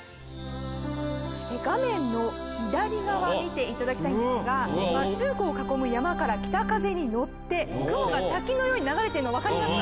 えっ画面の左側見ていただきたいんですが摩周湖を囲む山から北風に乗って雲が滝のように流れてるの分かりますか？